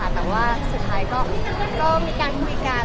แต่ว่าสุดท้ายก็มีการคุยกัน